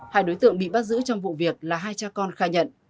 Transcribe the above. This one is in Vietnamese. hai đối tượng bị bắt giữ trong vụ việc là hai cha con khai nhận